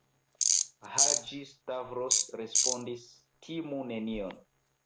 Haĝi-Stavros respondis: Timu nenion.